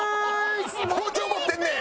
包丁持ってんねん！